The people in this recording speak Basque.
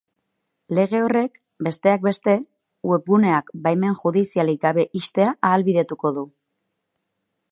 Lege horrek, besteak beste, webguneak baimen judizialik gabe ixtea ahalbidetuko du.